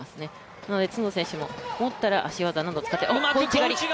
なので角田選手も持ったら足技などを使って。